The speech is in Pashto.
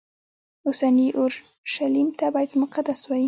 اوسني اورشلیم ته بیت المقدس وایي.